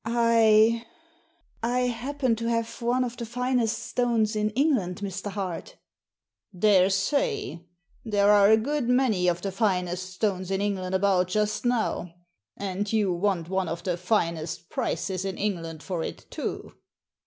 "I — I happen to have one of the finest stones in England, Mr. Hart" " Daresay ! There are a good many of the finest stones in England about just now. And you want one of the finest prices in England for it too